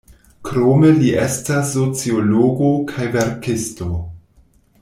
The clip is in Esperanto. Krome li estas sociologo kaj verkisto.